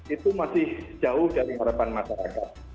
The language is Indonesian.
itu masih jauh dari harapan masyarakat